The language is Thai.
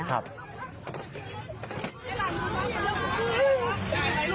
ไม่ปลอดภัยหนู